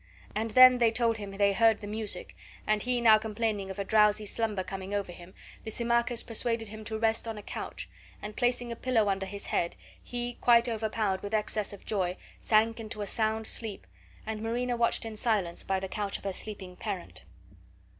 And then they told him they heard the music; and he now complaining of a drowsy slumber coming over him, Lysimachus persuaded him to rest on a couch, and, placing a pillow under his head, he, quite overpowered with excess of joy, sank into a sound sleep, and Marina watched in silence by the couch of her sleeping parent.